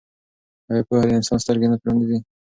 آیا پوهه د انسان سترګې نه پرانیزي؟